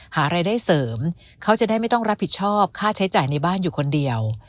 หารายได้เสริมเขาจะได้ไม่ต้องรับผิดชอบค่าใช้จ่ายในบ้านอยู่คนเดียว